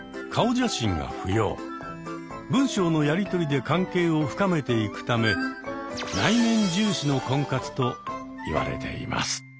文章のやり取りで関係を深めていくため「内面重視の婚活」といわれています。